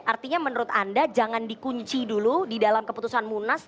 artinya menurut anda jangan dikunci dulu di dalam keputusan munas